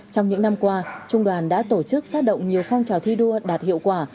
trong những năm qua trung đoàn đã tổ chức phát động nhiều phong trào thi đua đạt hiệu quả